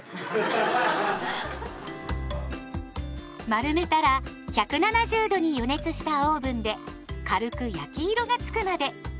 丸めたら１７０度に予熱したオーブンで軽く焼き色がつくまで１５分ほど焼きます。